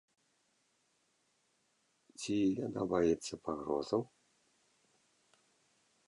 Ці яна баіцца пагрозаў?